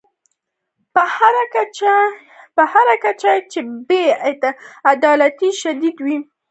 په هر کچه چې بې عدالتي شدیده وي.